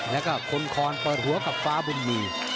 แล้วก็คนคอนเปิดหัวกับฟ้าบุญมี